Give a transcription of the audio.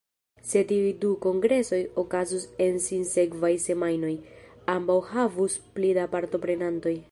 Se tiuj du kongresoj okazus en sinsekvaj semajnoj, ambaŭ havus pli da partoprenantoj.